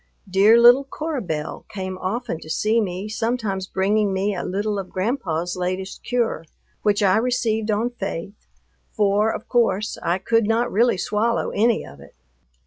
Dear little Cora Belle came often to see me, sometimes bringing me a little of Grandpa's latest cure, which I received on faith, for, of course, I could not really swallow any of it.